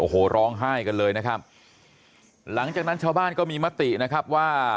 โอ้โหร้องไห้กันเลยนะครับหลังจากนั้นชาวบ้านก็มีมตินะครับว่า